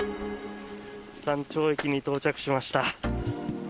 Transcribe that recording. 山頂駅に到着しました。